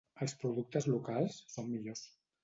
Els productes locals són millors.